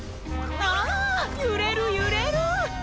あゆれるゆれる！